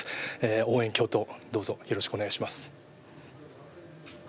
応援、共闘よろしくお願いします。